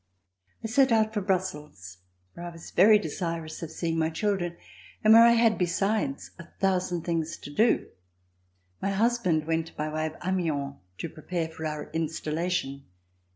I set out for Brussels where I was very desirous of seeing my children, and where I had besides a thou sand things to do. My husband went by way of Amiens to prepare for our installation.